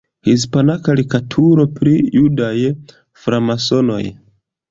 Hispana karikaturo pri "judaj framasonoj".